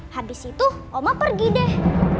habis itu oma pergi deh